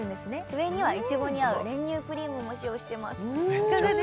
上にはいちごに合う練乳クリームも使用してますうん！